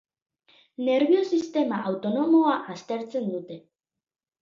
Nerbio-sistema autonomoa aztertzen dute.